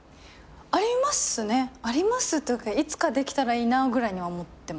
ありますね。ありますというかいつかできたらいいなぐらいには思ってます。